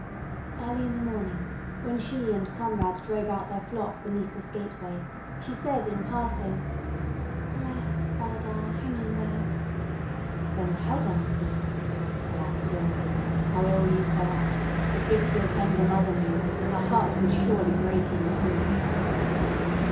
Early in the morning, when she and Conrad drove out their flock beneath this gateway, she said in passing: "Alas, Falada, hanging there Then the head answered: "Alas, young Queen, how ill you fare! If this your tender mother knew, Her heart would surely break in two."